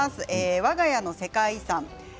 わが家の世界遺産。